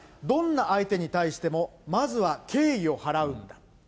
どんな相手に対しても、まずは敬意を払うんだ。